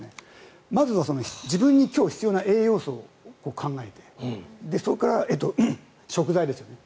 まずは自分に今日、必要な栄養素を考えてそこから食材ですよね。